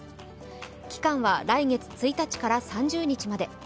期間は来月１日から３０日まで。